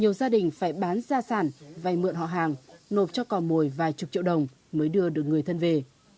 nhiều gia đình phải bán ra sản vay mượn họ hàng nộp cho cò mồi vài chục triệu đồng mới đưa được người thân về